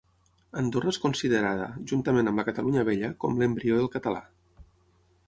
Andorra és considerada, juntament amb la Catalunya Vella, com l'embrió del català.